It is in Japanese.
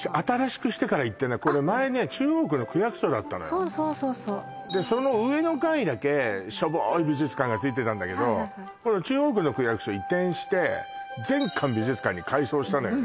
そうそうそうそう上の階だけしょぼーい美術館がついてたんだけど中央区の区役所移転して全館美術館に改装したのよね